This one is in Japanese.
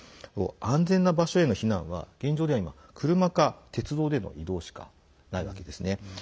安全な場所への避難は現状では今車か鉄道での移動しかないわけですね。